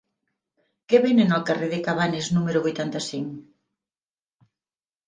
Què venen al carrer de Cabanes número vuitanta-cinc?